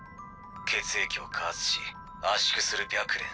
血液を加圧し圧縮する「百斂」。